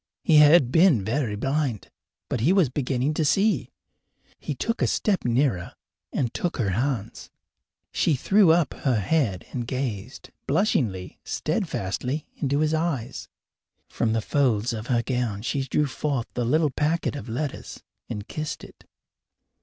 He had been very blind, but he was beginning to see. He took a step nearer and took her hands. She threw up her head and gazed, blushingly, steadfastly, into his eyes. From the folds of her gown she drew forth the little packet of letters and kissed it.